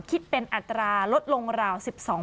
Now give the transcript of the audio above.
คิดเป็นอัตราลดลงราว๑๒